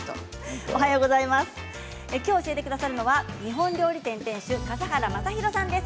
今日教えてくださるのは日本料理店店主笠原将弘さんです。